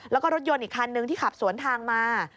แล้วก็รถยนต์อีกคันนึงที่ขับสวนทางมา